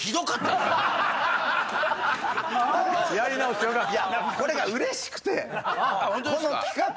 やり直してよかった。